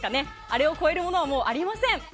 あれを超えるものはもうありません。